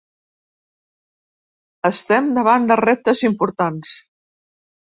Estem davant de reptes importants.